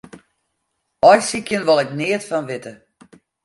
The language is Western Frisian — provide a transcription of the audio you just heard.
Aaisykjen wol ik neat fan witte.